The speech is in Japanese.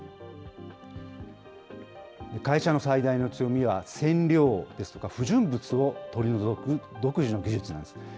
会社の最大の強みは、染料ですとか不純物を取り除く独自の技術なんです。